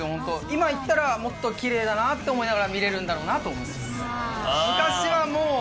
今行ったらもっとキレイだなって思いながら見れるんだろうなと思います。